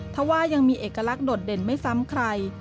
ถ้าว่ายังมีเอกลักษณ์โดดเด่นไม่ซ้ำใคร